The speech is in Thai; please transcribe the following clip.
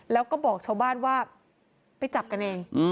แล้วก็บอกชาวบ้านว่าไปจับกันเอง